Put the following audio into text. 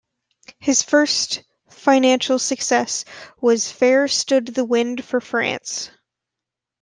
His first financial success was "Fair Stood the Wind for France".